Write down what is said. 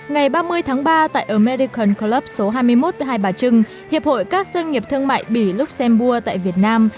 ngày ba mươi tháng ba tại ở medican club số hai mươi một hai bà trưng hiệp hội các doanh nghiệp thương mại bỉ luxembourg tại việt nam